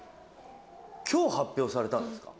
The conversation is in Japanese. きょう発表されたんですか。